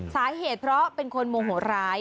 สาเหตุเพราะเป็นคนโมโหร้าย